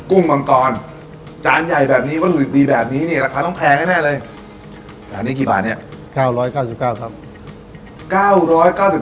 กุ้งมังกรจานใหญ่แบบนี้รูปดีแบบนี้นี่ราคาต้องแพงให้แน่เลย